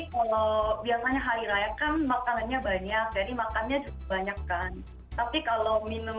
kalau biasanya hari raya kan makanannya banyak jadi makannya banyak kan tapi kalau minum